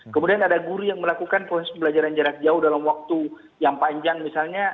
kemudian ada guru yang melakukan proses pembelajaran jarak jauh dalam waktu yang panjang misalnya